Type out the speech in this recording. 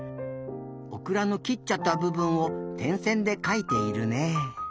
オクラの切っちゃったぶぶんをてんせんでかいているね。